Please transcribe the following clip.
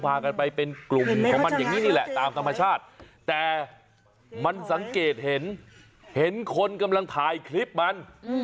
พากันไปเป็นกลุ่มของมันอย่างนี้นี่แหละตามธรรมชาติแต่มันสังเกตเห็นเห็นคนกำลังถ่ายคลิปมัน